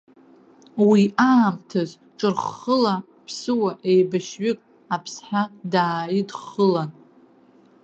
Уи аамҭаз ҽырххыла ԥсыуа еибашьҩык аԥсҳа дааидххылан.